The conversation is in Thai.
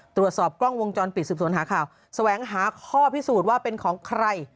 ตรวจสอบกล้องวงจรปิดสืบสวนหาข่าวแสวงหาข้อพิสูจน์ว่าเป็นของใคร